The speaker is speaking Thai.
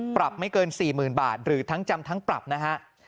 ปรับไม่เกิน๔๐๐๐บาทหรือทั้งจำทั้งปรับนะฮะ